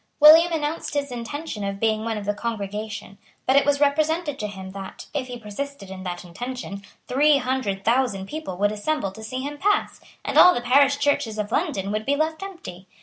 William announced his intention of being one of the congregation. But it was represented to him that, if he persisted in that intention, three hundred thousand people would assemble to see him pass, and all the parish churches of London would be left empty.